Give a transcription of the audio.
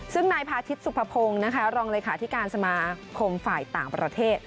ซึ่งนายพาทิศสุภพงศ์รองรายคาที่การสมาธิภาพฝ่ายต่างประเทศ